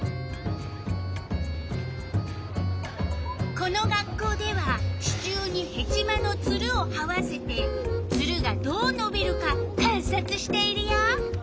この学校では支柱にヘチマのツルをはわせてツルがどうのびるか観察しているよ。